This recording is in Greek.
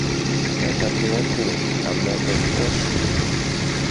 Ε, πατριώτη, αμέ το δικό σου;